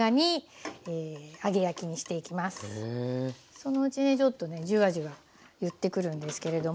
そのうちねちょっとねジュワジュワいってくるんですけれども。